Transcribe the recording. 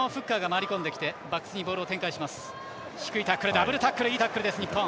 ダブルタックルいいタックルです、日本。